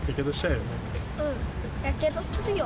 うん、やけどするよ。